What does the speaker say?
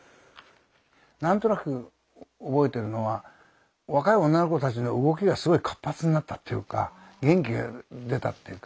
何となく覚えてるのは若い女の子たちの動きがすごい活発になったっていうか元気が出たっていうか。